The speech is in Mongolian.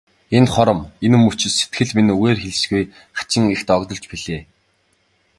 Энэ хором, энэ мөчид сэтгэл минь үгээр хэлшгүй хачин их догдолж билээ.